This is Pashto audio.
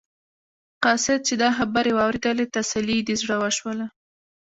قاصد چې دا خبرې واورېدلې تسلي یې د زړه وشوله.